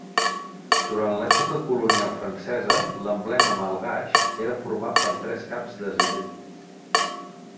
Durant l'època colonial francesa l'emblema malgaix era format per tres caps de zebú.